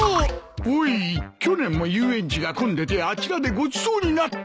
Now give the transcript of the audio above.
おい去年も遊園地が混んでてあちらでごちそうになった！